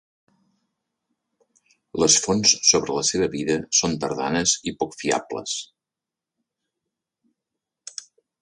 Les fonts sobre la seva vida són tardanes i poc fiables.